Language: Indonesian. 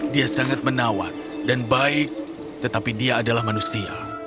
dia sangat menawan dan baik tetapi dia adalah manusia